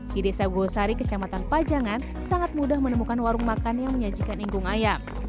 di desa gosari kecamatan pajangan sangat mudah menemukan warung makan yang menyajikan ingkung ayam